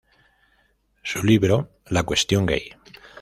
Su libro “"La cuestión gay.